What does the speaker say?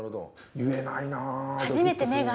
言えないなあ。